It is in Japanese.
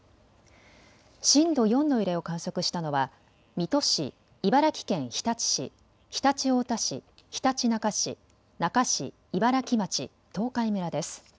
震度４の揺れを観測したのは水戸市、茨城県日立市、常陸太田市、ひたちなか市、那珂市、茨城町、東海村です。